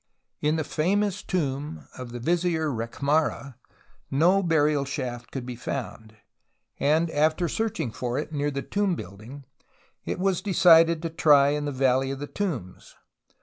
In the famous tomb of the Vizier Rekhmara no burial shaft could 30 TUTANKHAMEN be found, and after searching for it near the tomb building it was decided to try in the Valley of the Tombs.